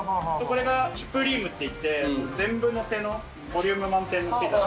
これがシュプリームっていって全部載せのボリューム満点のピザ。